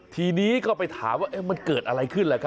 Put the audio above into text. ทีนี้ก็ไปถามว่ามันเกิดอะไรขึ้น